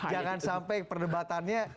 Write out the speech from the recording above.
jangan sampai perdebatannya